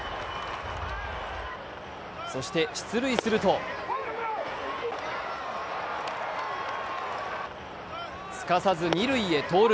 そして、出塁するとすかさず二塁へ盗塁。